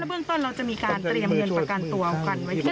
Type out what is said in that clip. เบื้องต้นเราจะมีการเตรียมเงินประกันตัวควันไว้ที่